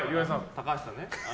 高橋さんね。